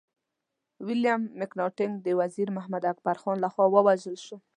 ويليم مکناټن د وزير محمد اکبر خان لخوا ووژل شو.